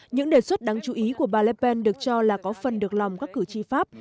những đề xuất đáng chú ý của bà lépen được cho là có phần được lòng các cử tri pháp